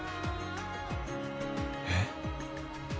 えっ？